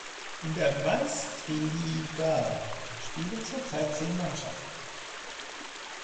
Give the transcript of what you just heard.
In der Meistriliiga spielen zurzeit zehn Mannschaften.